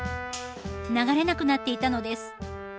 流れなくなっていたのです。